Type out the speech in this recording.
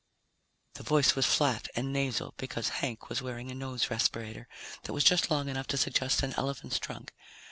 The voice was flat and nasal because Hank was wearing a nose respirator that was just long enough to suggest an elephant's trunk.